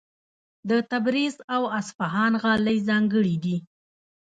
د تبریز او اصفهان غالۍ ځانګړې دي.